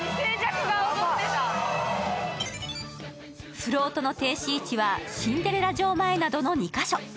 フロートの停止位置はシンデレラ城前などの２か所。